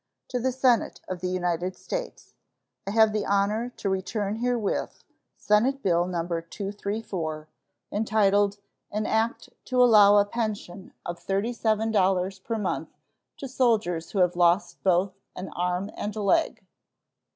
To the Senate of the United States: I have the honor to return herewith Senate bill No. 234, entitled "An act to allow a pension of $37 per month to soldiers who have lost both an arm and a leg."